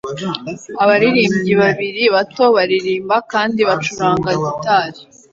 Abaririmbyi babiri bato baririmba kandi bacuranga gitari